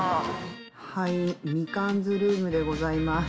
はいみかんずルームでございます。